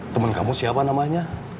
temen kamu siapa namanya